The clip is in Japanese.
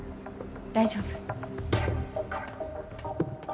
大丈夫。